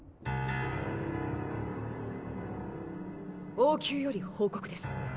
王宮より報告です。